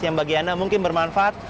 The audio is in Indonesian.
yang bagi anda mungkin bermanfaat